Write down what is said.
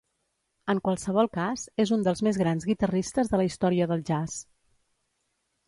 En qualsevol cas, és un dels més grans guitarristes de la història del jazz.